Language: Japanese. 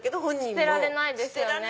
捨てられないですよね。